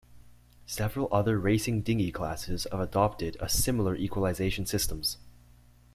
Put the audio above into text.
Several other racing dinghy classes have adopted a similar equalisation systems.